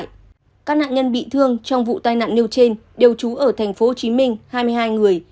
các nạn nhân bị thương trong vụ tai nạn nêu trên đều trú ở tp hcm hai mươi hai người